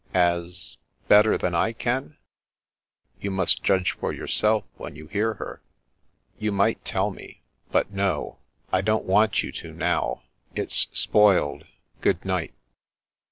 " As— better than I can? "" You must judge for yourself when you hear her." " You might tell me. But no! I don't want you to, now. It's spoiled. Good night."